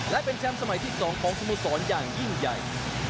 และเป็นชั้นสมัยที่๒ของสมุทรศร่อนอย่างยิ่งใหญ่